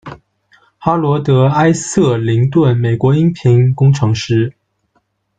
哈罗德·埃瑟林顿美国音频工程师。